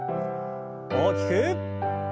大きく。